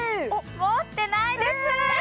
持ってないです！